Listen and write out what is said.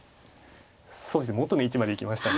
そうですね元の位置まで行きましたね。